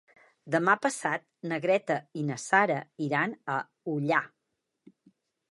Demà passat na Greta i na Sara iran a Ullà.